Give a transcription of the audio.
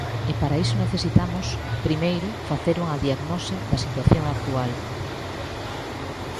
E para iso necesitamos, primeiro, facer unha diagnose da situación actual.